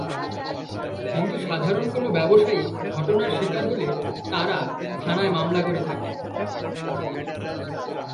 কিন্তু সাধারণ কোনো ব্যবসায়ী ঘটনার শিকার হলে তাঁরা থানায় মামলা করে থাকেন।